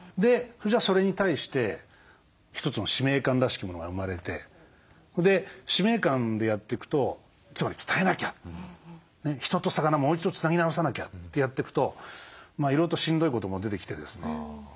それに対して一つの使命感らしきものが生まれてで使命感でやっていくとつまり「伝えなきゃ」「人と魚もう一度つなぎ直さなきゃ」ってやってくといろいろとしんどいことも出てきてですね。